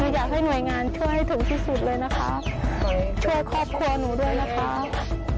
อยากให้หน่วยงานช่วยให้ถึงที่สุดเลยนะคะช่วยครอบครัวหนูด้วยนะครับ